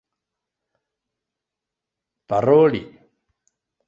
paroli